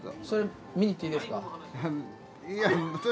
それ見に行っていいですか？